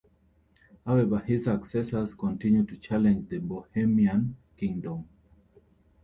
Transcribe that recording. However his successors continued to challenge the Bohemian kingdom.